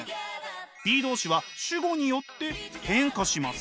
ｂｅ動詞は主語によって変化します。